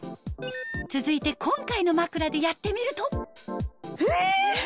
続いて今回の枕でやってみるとえ！